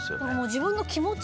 自分の気持ち